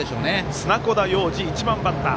砂子田陽士、１番バッター。